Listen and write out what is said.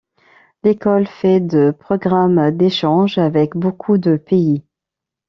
L’école fait de programmes d’échange avec beaucoup de pays.